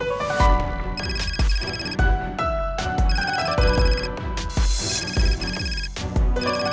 pergi dari rumahku